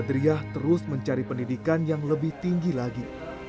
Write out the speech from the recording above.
adriah terus mencari pendidikan yang lebih tinggi lagi